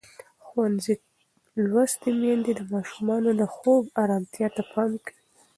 ښوونځې لوستې میندې د ماشومانو د خوب ارامتیا ته پام کوي.